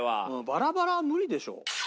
バラバラは無理でしょ。